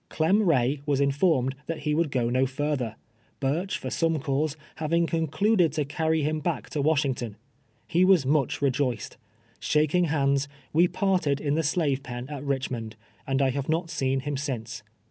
Clem Kay was informed that he would go no further, Burch, for some cause, having concluded to carry him back to Wash ington. He was much rejoiced. Shaking hands, we parted in the slave pen at Richmond, and I have not seen him since.